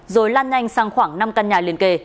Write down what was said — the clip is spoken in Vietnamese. rồi lan nhanh sang khoảng năm căn nhà liên kề